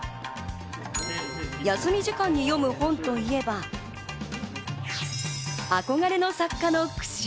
休み時間に読む本といえば、憧れの作家の句集。